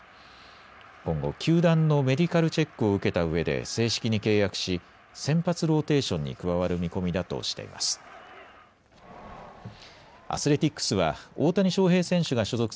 今後、球団のメディカルチェックを受けたうえで正式に契約し先発ローテーションに加わる見込みだとしています。